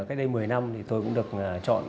cách đây một mươi năm tôi cũng được chọn